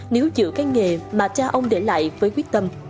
nếu giữ cái nghề mà cha ông để lại với quyết tâm